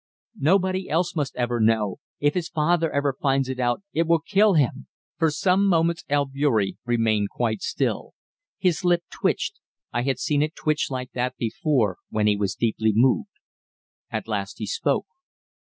Nobody else must ever know. If his father ever finds it out, it will kill him." For some moments Albeury remained quite still. His lip twitched I had seen it twitch like that before, when he was deeply moved. At last he spoke.